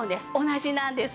同じなんです。